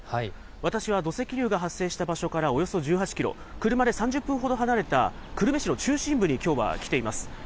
私は土石流が発生した場所からおよそ１８キロ、車で３０分ほど離れた久留米市の中心部にきょうは来ています。